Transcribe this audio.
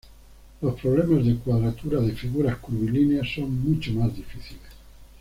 Los problemas de cuadratura de figuras curvilíneas son mucho más difíciles.